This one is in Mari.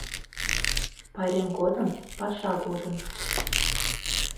Пайрем годым, паша годым